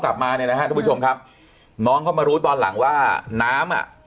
กลับมาเนี่ยนะฮะทุกผู้ชมครับน้องเขามารู้ตอนหลังว่าน้ำอ่ะ